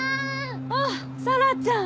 あっ紗良ちゃん！